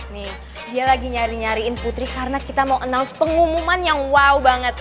nih dia lagi nyari nyariin putri karena kita mau announce pengumuman yang wow banget